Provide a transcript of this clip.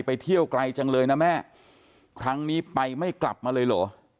ไปเที่ยวไกลจังเลยนะแม่ครั้งนี้ไปไม่กลับมาเลยเหรอ